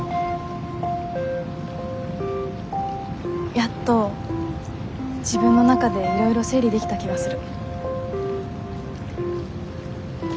やっと自分の中でいろいろ整理できた気がする。